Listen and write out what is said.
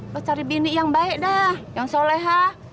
lu cari bini yang baik dah yang solehah